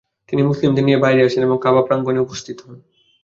তিনি মুসলিমদের নিয়ে বাইরে আসেন এবং কাবা প্রাঙ্গণে উপস্থিত হন।